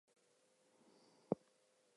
I’m a sucker for when they have fun with it.